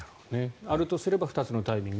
あるとすれば２つのタイミング